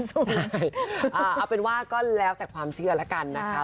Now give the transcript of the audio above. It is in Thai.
ใช่เอาเป็นว่าก็แล้วแต่ความเชื่อแล้วกันนะคะ